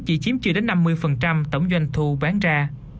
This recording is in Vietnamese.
chỉ chiếm chưa đến năm mươi tổng doanh thu bán ra